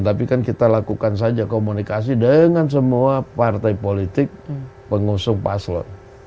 tapi kan kita lakukan saja komunikasi dengan semua partai politik pengusung paslo